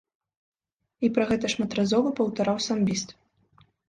І пра гэта шматразова паўтараў самбіст.